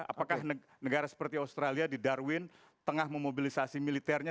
apakah negara seperti australia di darwin tengah memobilisasi militernya